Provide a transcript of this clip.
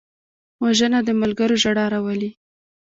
وژنه د ملګرو ژړا راولي